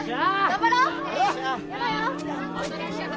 頑張ろう！